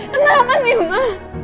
kenapa sih ma